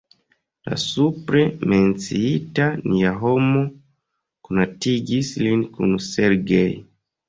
La supre menciita Nia Homo konatigis lin kun Sergej.